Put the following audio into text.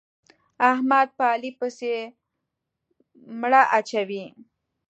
احمد په علي پسې مړه اچوي.